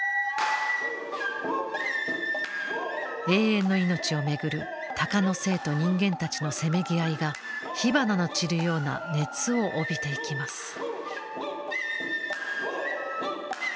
永遠の命を巡る鷹の精と人間たちのせめぎ合いが火花の散るような熱を帯びていきます。